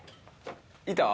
いた？